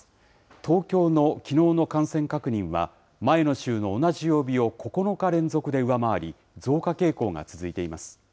東京のきのうの感染確認は、前の週の同じ曜日を９日連続で上回り、増加傾向が続いています。